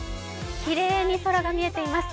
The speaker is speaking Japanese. きれいに空が見えています。